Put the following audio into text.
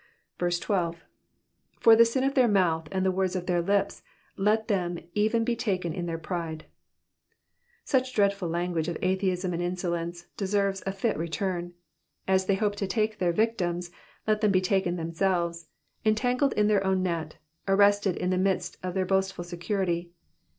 12. ^^For the sin of their mouth and the words of their lips let them even be taken in their pride.'' Such dreadful language of atheism and insolence deserves a fit return. As they hope to take their victims, so let them be taken them selves, entangled in their own net, arrested in the midst of their boastful security.